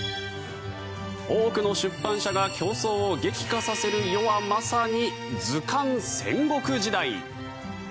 多くの出版社が競争を激化させる世はまさに図鑑戦国時代。